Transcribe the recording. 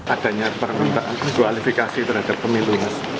adanya permintaan kualifikasi terhadap pemilu mas